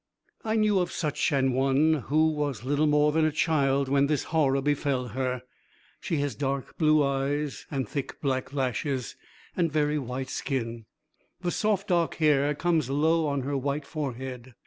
I knew of such an one who was little more than a child when this horror befell her. She has dark blue eyes and thick black lashes, and very white skin. The soft dark hair comes low on her white forehead.